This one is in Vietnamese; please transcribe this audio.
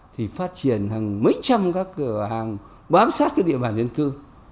thì phát triển hàng mấy trăm các cửa hàng bám sát cái địa bàn dân cư